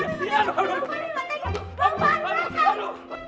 bang farben bang farben